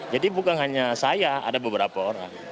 jadi bukan hanya saya ada beberapa orang